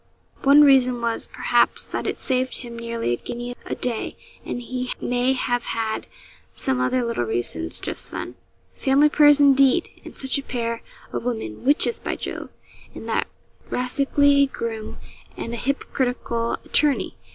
One reason was, perhaps, that it saved him nearly a guinea a day, and he may have had some other little reasons just then. 'Family prayers indeed! and such a pair of women witches, by Jove! and that rascally groom, and a hypocritical attorney!